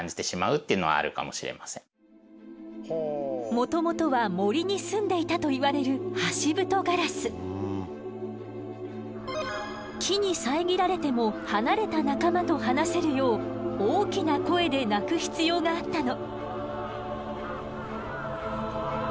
もともとは森に住んでいたといわれる木に遮られても離れた仲間と話せるよう大きな声で鳴く必要があったの。